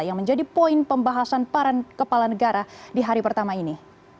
yang menjadi poin pembahasan para kepala negara di hari pertama ini